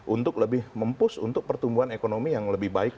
untuk lebih mempush untuk pertumbuhan ekonomi yang lebih baik